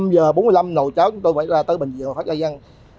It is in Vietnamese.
năm giờ bốn mươi năm nồi cháo chúng tôi phải ra tới bình dương phát gia dân